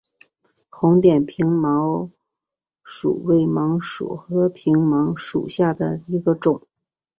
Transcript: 红点平盲蝽为盲蝽科平盲蝽属下的一个种。